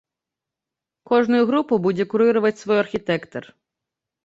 Кожную групу будзе курыраваць свой архітэктар.